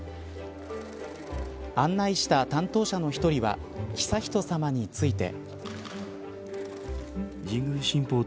案内した担当者の１人は悠仁さまについて。